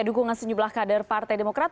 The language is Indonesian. dukungan sejumlah kader partai demokrat